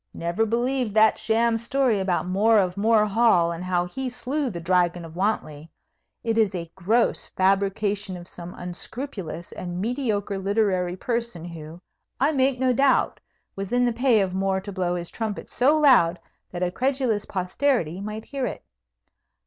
Never believe that sham story about More of More Hall, and how he slew the Dragon of Wantley. It is a gross fabrication of some unscrupulous and mediocre literary person, who, I make no doubt, was in the pay of More to blow his trumpet so loud that a credulous posterity might hear it.